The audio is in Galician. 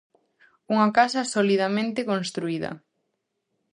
Unha casa solidamente construída.